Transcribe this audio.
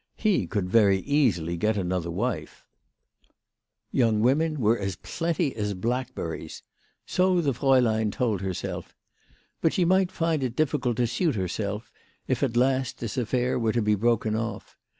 He could very easily get another wife. Young women were as plenty D 34 WHY FEAU FEOHMANN EAISED HER PEICES. as blackberries. So tbe fraulein told herself. But sbe migbt find it difficult to suit herself, if at last this affair were to be broken off.